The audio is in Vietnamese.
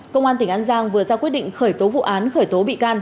công an tỉnh an giang vừa ra quyết định khởi tố vụ án khởi tố bị can